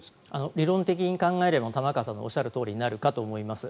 理論的に考えれば玉川さんのおっしゃるとおりになるかと思います。